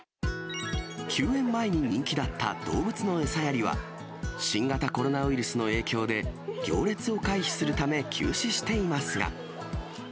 休園前に人気だった動物の餌やりは、新型コロナウイルスの影響で、行列を回避するため休止していますが。